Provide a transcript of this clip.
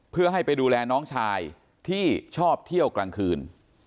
เพื่อให้ไปดูแลน้องชายที่ชอบเที่ยวกลางคืน